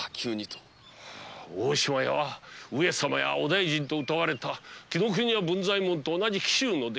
大島屋は「上様」や「お大尽」と謳われた紀国屋文左衛門と同じ紀州の出。